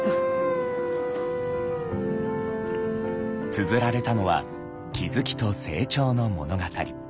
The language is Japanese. つづられたのは気付きと成長の物語。